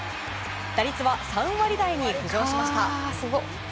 打率は３割台に浮上しました。